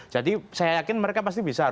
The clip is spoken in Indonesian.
jadi saya yakin mereka pasti bisa